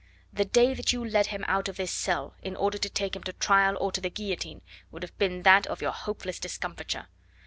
The day that you led him out of this cell in order to take him to trial or to the guillotine would have been that of your hopeless discomfiture.